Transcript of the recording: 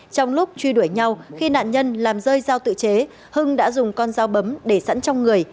trong lúc truy đuổi nhau khi nạn nhân làm rơi giao tự chế hưng đã dùng con dao bấm để sẵn trong người